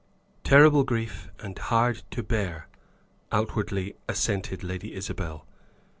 "Terrible grief, and hard to bear," outwardly assented Lady Isabel.